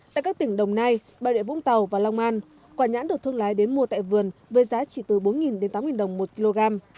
tại các tỉnh đồng nai bà rịa vũng tàu và long an quả nhãn được thương lái đến mua tại vườn với giá chỉ từ bốn đến tám đồng một kg